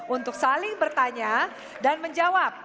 untuk saling bertanya dan menjawab